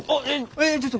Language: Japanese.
ええっちょっと！？